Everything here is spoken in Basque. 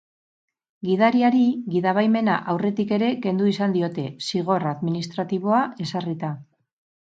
Gidariari gidabaimena aurretik ere kendu izan diote, zigor administratiboa ezarrita.